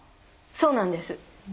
そうなんです。